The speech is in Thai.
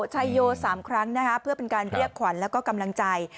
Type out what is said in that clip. ชัยโย๓ครั้งเพื่อเป็นการเรียกขวัญแล้วก็กำลังใจ